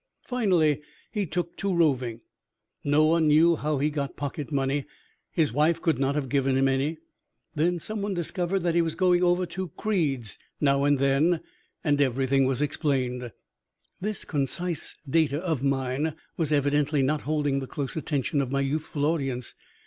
Finally he took to roving. No one knew how he got pocket money; his wife could not have given him any. Then someone discovered that he was going over to Creed's now and then, and everything was explained." This concise data of mine was evidently not holding the close attention of my youthful audience.